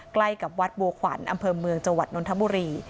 ใกล้กับวัดบัวขวัญอำเภอเมืองจังหวัดนนทบุรี